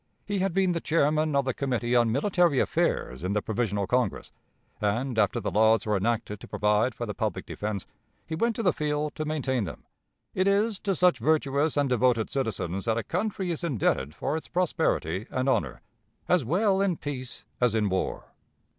He had been the chairman of the Committee on Military Affairs in the Provisional Congress, and, after the laws were enacted to provide for the public defense, he went to the field to maintain them. It is to such virtuous and devoted citizens that a country is indebted for its prosperity and honor, as well in peace as in war.